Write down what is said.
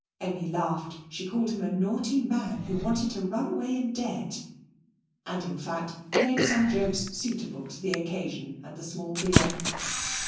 Emmy laughed: she called him a naughty man, who wanted to run away in debt, and, in fact, made some jokes suitable to the occasion and the small beer.